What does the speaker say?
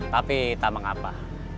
tapi tak mengapa